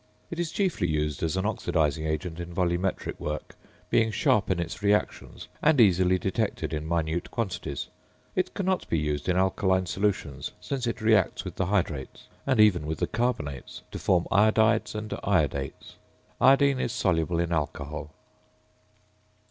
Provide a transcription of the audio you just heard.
It is chiefly used as an oxidizing agent in volumetric work, being sharp in its reactions and easily detected in minute quantities. It cannot be used in alkaline solutions, since it reacts with the hydrates, and even with the carbonates, to form iodides and iodates. Iodine is soluble in alcohol.